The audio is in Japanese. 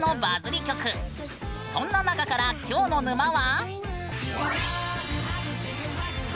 そんな中から今日の沼は。